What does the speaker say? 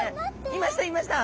いましたいました！